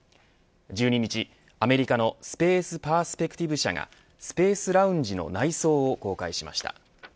１２日アメリカのスペース・パースペクティブ社がスペース・ラウンジの内装を公開しました。